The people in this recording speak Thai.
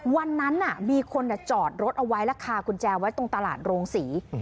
วันนั้นมีคนจอดรถเอาไว้และคากุญแจไว้ตรงตลาดโรงศรี